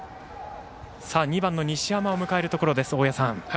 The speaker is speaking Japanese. ２番の西山を迎えるところです。